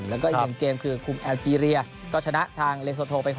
แล้วก็อีกหนึ่งเกมคือคุมแอลจีเรียก็ชนะทางเลโซโทไป๖